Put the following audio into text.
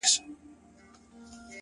جواب را كړې!